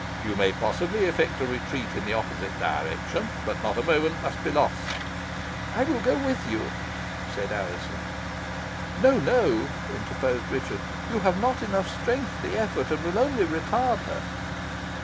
You may possibly effect a retreat in the opposite direction, but not a moment must be lost." "I will go with you," said Alizon. "No, no," interposed Richard. "You have not strength for the effort, and will only retard her."